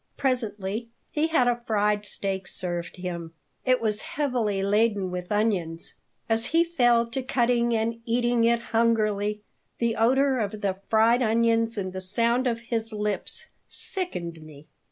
Presently he had a fried steak served him. It was heavily laden with onions. As he fell to cutting and eating it hungrily the odor of the fried onions and the sound of his lips sickened me.